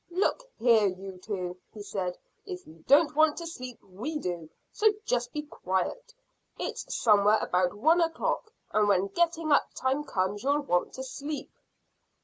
"Look here, you two," he said; "if you don't want to sleep we do, so just be quiet. It's somewhere about one o'clock, and when getting up time comes you'll want to sleep."